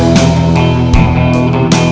jangan sembunyi sombongnya ya